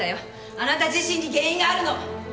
あなた自身に原因があるの。